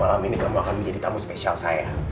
malam ini kamu akan menjadi tamu spesial saya